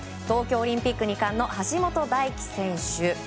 東京オリンピック２冠の橋本大輝選手